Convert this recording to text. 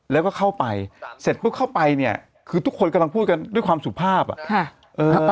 แล้วก็เข้าไปเสร็จปุ๊บเข้าไปเนี่ยคือทุกคนกำลังพูดกันด้วยความสุภาพอ่ะค่ะเออ